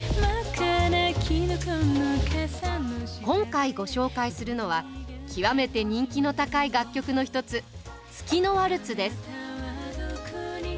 今回ご紹介するのは極めて人気の高い楽曲の１つ「月のワルツ」です。